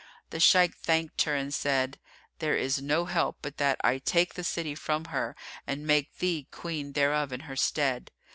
The Shaykh thanked her and said, "There is no help but that I take the city from her and make thee Queen thereof in her stead."